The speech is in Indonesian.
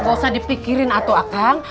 nggak usah dipikirin atu akang